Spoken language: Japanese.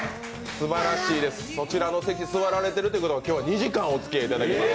すばらしいです、そちらの席座られているということは今日は２時間おつきあいいただきまう。